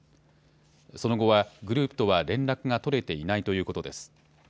その後はグループとは連絡が取れていないということです。